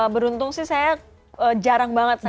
beruntung sih saya jarang banget sakit kepala